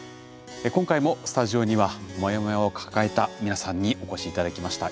今回もスタジオにはモヤモヤを抱えた皆さんにお越し頂きました。